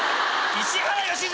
石原良純